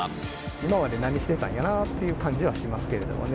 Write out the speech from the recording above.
今まで何してたんやなっていう感じはしますけどね。